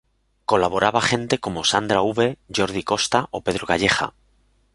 Colaboraba gente como Sandra Uve, Jordi Costa o Pedro Calleja.